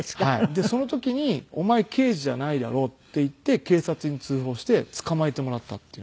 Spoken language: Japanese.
でその時に「お前刑事じゃないだろ？」って言って警察に通報して捕まえてもらったっていう。